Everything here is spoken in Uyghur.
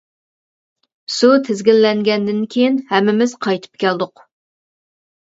سۇ تىزگىنلەنگەندىن كىيىن ھەممىمىز قايتىپ كەلدۇق.